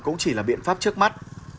cũng chỉ là biện pháp trước mắt